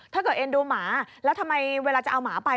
เอ็นดูหมาแล้วทำไมเวลาจะเอาหมาไป